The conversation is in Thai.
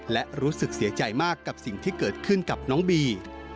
และรู้สึกเสียใจมากกับสิ่งที่เกิดขึ้นกับน้องบี